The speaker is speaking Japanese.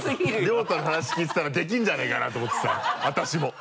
諒太の話聞いてたらできるんじゃないかなと思ってさ私も。